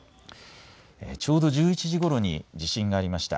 ちょうど１１時ごろに地震がありました。